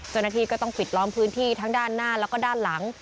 เจ้าหน้าที่ก็ต้องปิดล้อมพื้นที่ทั้งด้านหน้าแล้วก็ด้านหลัง